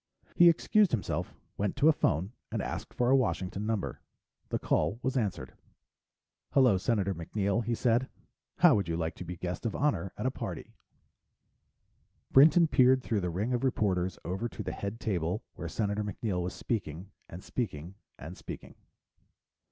He excused himself, went to a phone, and asked for a Washington number. The call was answered. "Hello, Senator MacNeill?" he said. "How would you like to be guest of honor at a party?" Brinton peered through the ring of reporters over to the head table where Senator MacNeill was speaking, and speaking, and speaking.